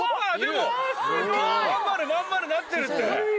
真ん丸真ん丸なってるって。